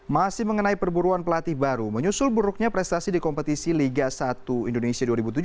masih mengenai perburuan pelatih baru menyusul buruknya prestasi di kompetisi liga satu indonesia dua ribu tujuh belas